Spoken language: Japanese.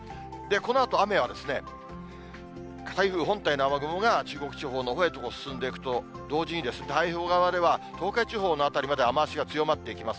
このあと、雨は台風本体の雨雲が中国地方のほうへ進んでいくと同時に、太平洋側では東海地方の辺りまで雨足が強まっていきます。